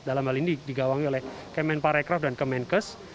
dalam hal ini digawangi oleh kemenparekraf dan kemenkes